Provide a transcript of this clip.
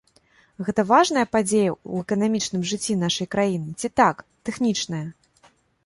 Гэта важная падзея ў эканамічным жыцці нашай краіны, ці так, тэхнічная?